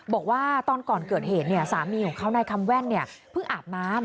บอกว่าตอนก่อนเกิดเหตุสามีของเขานายคำแว่นเพิ่งอาบน้ำ